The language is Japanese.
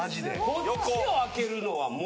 こっちを開けるのはもう。